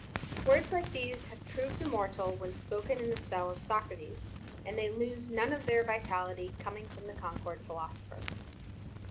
Words like these have proved immortal when spoken in the cell of Socrates, and they lose none of their vitality, coming from the Concord philosopher.